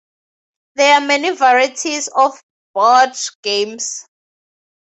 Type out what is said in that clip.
There are many varieties of board games.